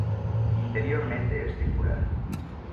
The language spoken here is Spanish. Interiormente es circular.